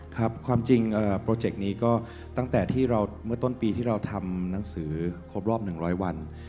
ครับความจริงโปรเจกต์นี้ก็ตั้งแต่ที่เราเมื่อต้นปีที่เราทำหนังสือครบรอบ๑๐๐วัน